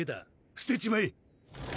捨てちまえ。